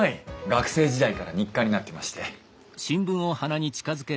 学生時代から日課になってまして。